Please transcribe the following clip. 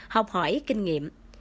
học hỏi kinh nghiệm